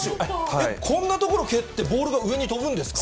えっ、こんな所を蹴ってボールが上に飛ぶんですか？